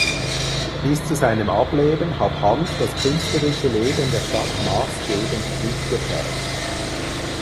Bis zu seinem Ableben hat Hanf das künstlerische Leben der Stadt maßgebend mitgeprägt.